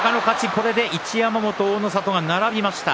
これで一山本、大の里が並びました。